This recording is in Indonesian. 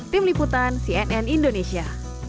tim liputan cnn indonesia